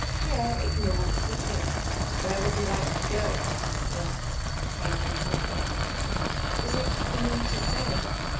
Pierre ignored the chill. "Where would you like to go?" he asked, changing the subject. "Is it for me to say?